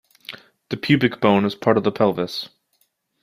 The pubic bone is part of the pelvis.